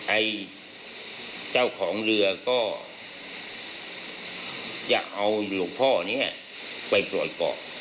ไอ้เจ้าของเรือก็จะเอาหลวงพ่อนี้ไปปล่อยเกาะ